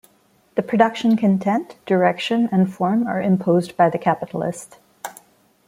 The production content, direction and form are imposed by the capitalist.